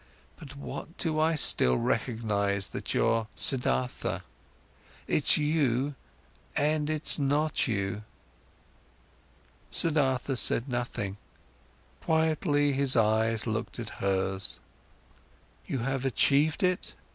By what do I still recognise that you're Siddhartha? It's you, and it's not you." Siddhartha said nothing, quietly his eyes looked at hers. "You have achieved it?"